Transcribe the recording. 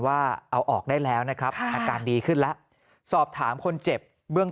ว่าเอาออกได้แล้วนะครับอาการดีขึ้นแล้วสอบถามคนเจ็บเบื้อง